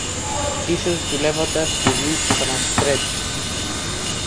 Ίσως δουλεύοντας τη γη που θα μας θρέψει.